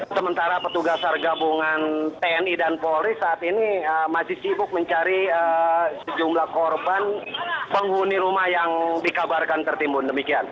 sementara petugasar gabungan tni dan polis saat ini masih sibuk mencari sejumlah korban penghuni rumah yang dikabarkan tertimun